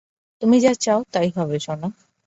তুমি যা চাও, তাই হবে, সোনা।